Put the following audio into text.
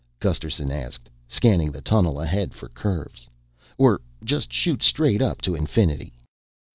Gusterson asked, scanning the tunnel ahead for curves. "Or just shoot straight up to infinity?"